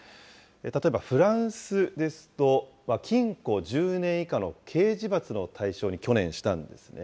例えばフランスですと、禁錮１０年以下の刑事罰の対象に、去年したんですね。